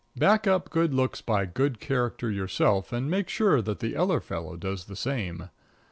Back up good looks by good character yourself, and make sure that the other fellow does the same.